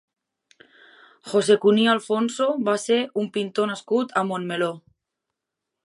José Cuní Alfonso va ser un pintor nascut a Montmeló.